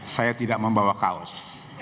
saya tidak membawa kaos